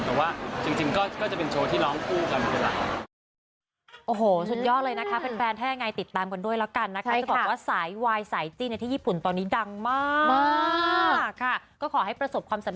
แต่ว่าจริงก็จะเป็นโชว์ที่ร้องคู่กันเป็นหลัก